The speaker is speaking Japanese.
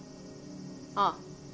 ああ。